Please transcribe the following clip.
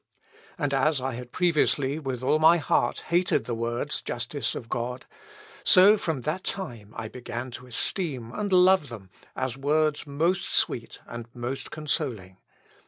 And as I had previously, with all my heart, hated the words, 'Justice of God,' so from that time I began to esteem and love them, as words most sweet and most consoling.